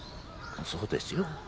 そうですよ。